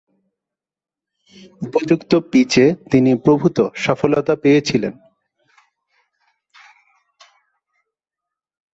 উপযুক্ত পিচে তিনি প্রভূতঃ সফলতা পেয়েছিলেন।